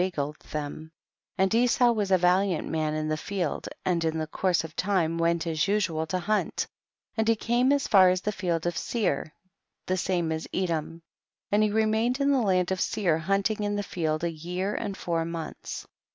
gled them, and Esau was a valiant man in the field, and in the course of time went as usual to hunt ; and he came as far as the field of Seir, the same is Edom. 21. And he remained in the land of Seir hunting in the field a year and four months.